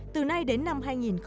từ nay đến năm hai nghìn ba mươi